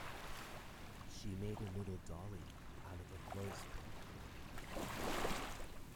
She made a little dolly out of a clothes peg